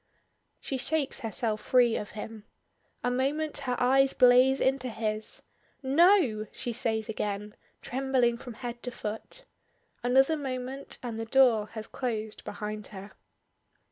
_" She shakes herself free of him. A moment her eyes blaze into his. "No!" she says again, trembling from head to foot. Another moment, and the door has closed behind her.